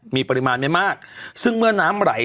มีปริมาณไม่มากซึ่งเมื่อน้ำไหล